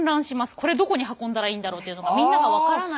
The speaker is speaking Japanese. これどこに運んだらいいんだろうっていうのがみんなが分からないので。